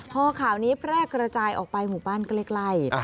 พอข่าวนี้แพร่กระจายออกไปหมู่บ้านใกล้